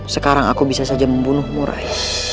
sekarang aku bisa saja membunuhmu rai